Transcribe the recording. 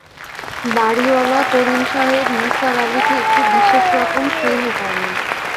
বাড়িওয়ালা করিম সাহেব নিসার আলিকে একটু বিশেষ রকম স্নেহ করেন।